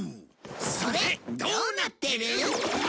それどうなってる？